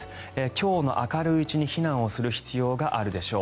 今日の明るいうちに避難する必要があるでしょう。